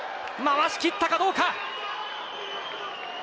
回しきったかどうか。